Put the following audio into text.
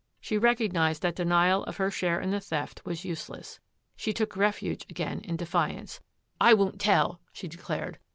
She recognised that denial of her share in the theft was useless. She took refuge again in defiance. " I won't tell !" she declared.